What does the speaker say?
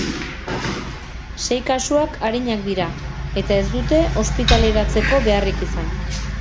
Sei kasuak arinak dira eta ez dute ospitaleratzeko beharrik izan.